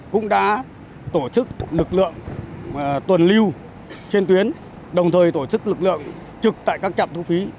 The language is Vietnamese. cũng đã tổ chức lực lượng tuần lưu trên tuyến đồng thời tổ chức lực lượng trực tại các trạm thu phí